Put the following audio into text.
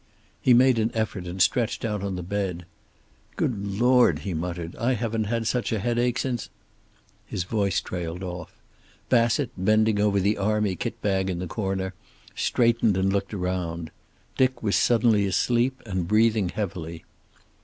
He made an effort and stretched out on the bed. "Good Lord," he muttered, "I haven't had such a headache since " His voice trailed off. Bassett, bending over the army kit bag in the corner, straightened and looked around. Dick was suddenly asleep and breathing heavily.